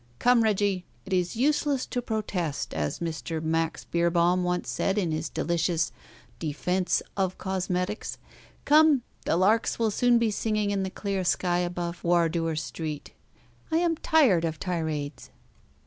Come, Reggie! It is useless to protest, as Mr. Max Beerbohm once said in his delicious 'Defence of Cosmetics.' Come, the larks will soon be singing in the clear sky above Wardour Street. I am tired of tirades.